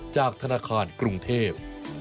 จากธนาคารกรุงเทพ